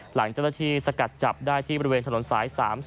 หลังเจ้าหน้าที่สกัดจับได้ที่บริเวณถนนสาย๓๐